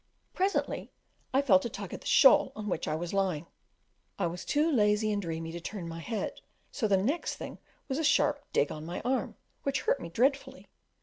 Presently I felt a tug at the shawl on which I was lying: I was too lazy and dreamy to turn my head, so the next thing was a sharp dig on my arm, which hurt me dreadfully.